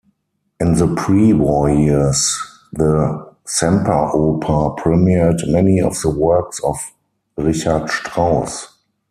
In the pre-war years, the Semperoper premiered many of the works of Richard Strauss.